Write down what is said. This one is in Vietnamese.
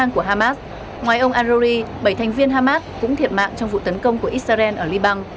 ngoài ông al aruri bảy thành viên hamas cũng thiệt mạng trong vụ tấn công của israel ở liban